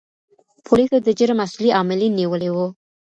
پولیسو د جرم اصلي عاملین نیولي وو.